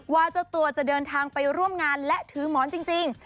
ว่าเจ้าตัวจะเดินทางไปร่วมงานและถือหมอนจริง